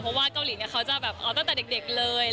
พบว่ากะวลีเขาจะเอาตั้งแต่เด็กเลย